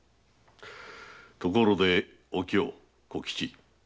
ところでお京・小吉。